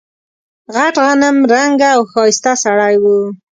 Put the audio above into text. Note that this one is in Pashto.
غټ غنم رنګه او ښایسته سړی و.